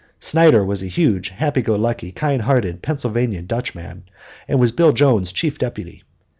Snyder was a huge, happy go lucky, kind hearted Pennsylvania Dutchman, and was Bill Jones's chief deputy.